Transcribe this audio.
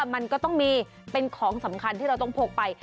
มันก็ต้องมีเป็นของสำคัญที่เราต้องพกไป